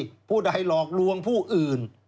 ผู้ใดหลอกลวงผู้อื่น